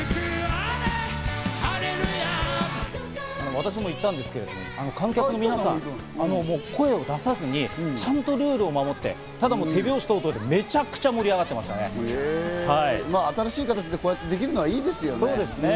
私も行ったんですけど、観客の皆さん、声を出さずに、ちゃんとルールを守って、ただ手拍子でめちゃくち新しい形でこうやってできるのはいいですよね。